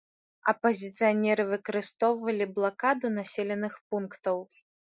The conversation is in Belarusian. Апазіцыянеры выкарыстоўвалі блакаду населеных пунктаў.